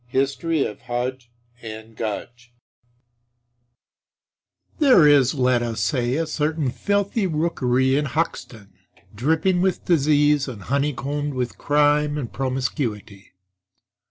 HISTORY OF HUDGE AND GUDGE There is, let us say, a certain filthy rookery in Hoxton, dripping with disease and honeycombed with crime and promiscuity.